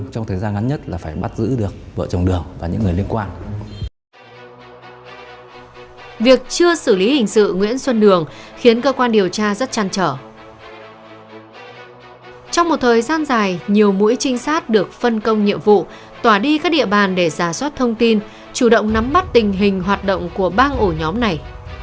trong một thời gian dài nhiều mũi trinh sát được phân công nhiệm vụ tỏa đi các địa bàn để giả soát thông tin chủ động nắm bắt tình hình hoạt động của bang ổ nhóm này